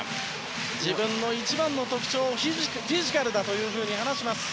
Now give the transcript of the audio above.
自分の一番の特徴はフィジカルだと話します。